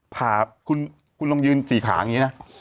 ผ่าคุณลองยืนสี่ขาอย่างนี้นะ